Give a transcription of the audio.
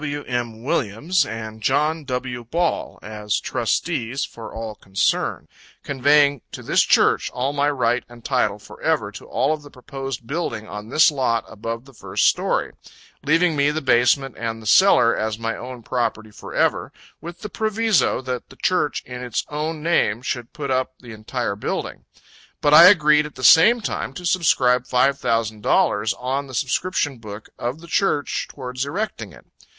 W. M. Williams, and John W. Ball, as trustees for all concerned, conveying to this Church all my right and title forever to all of the proposed building on this lot above the first story: leaving me the basement and the cellar as my own property forever, with the proviso, that the Church in its own name should put up the entire building. But I agreed at the same time to subscribe five thousand dollars on the subscription book of the Church towards erecting it.